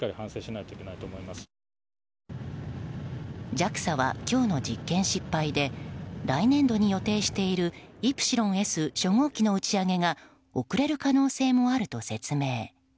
ＪＡＸＡは、今日の実験失敗で来年度に予定している「イプシロンＳ」初号機の打ち上げが遅れる可能性もあると説明。